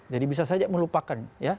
jadi bisa saja melupakan